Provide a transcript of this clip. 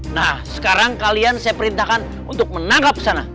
nah sekarang kalian saya perintahkan untuk menangkap sana